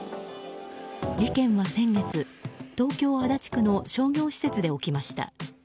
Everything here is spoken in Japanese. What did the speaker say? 事件は先月、東京・足立区の商業施設で起きました。